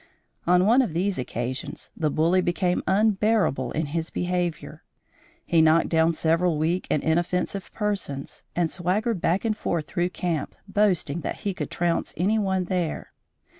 On one of these occasions, the bully became unbearable in his behavior. He knocked down several weak and inoffensive persons, and swaggered back and forth through camp, boasting that he could trounce any one there.